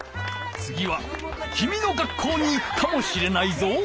つぎはきみの学校に行くかもしれないぞ。